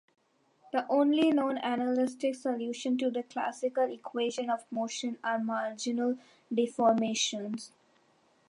The only known analytic solutions to the classical equations of motion are marginal deformations.